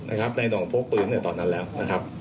นะครับในหน่องพกปืนตอนนั้นแล้วนะครับ